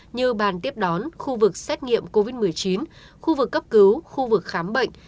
như bàn tiếp đón khu vực xét nghiệm covid một mươi chín khu vực cấp cứu khu vực khám bệnh